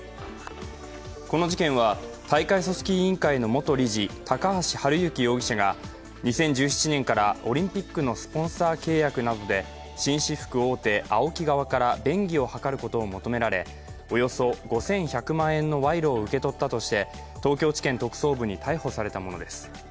この事件は大会組織委員会の元理事、高橋治之容疑者が、２０１７年からオリンピックのスポンサー契約などで紳士服大手、ＡＯＫＩ側から便宜を図ることを求められおよそ５１００万円の賄賂を受け取ったとして東京地検特捜部に逮捕されたものです。